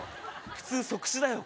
普通即死だよ。